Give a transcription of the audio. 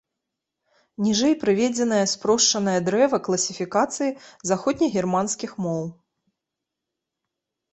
Ніжэй прыведзенае спрошчанае дрэва класіфікацыі заходнегерманскіх моў.